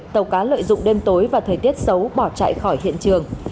tàu cá lợi dụng đêm tối và thời tiết xấu bỏ chạy khỏi hiện trường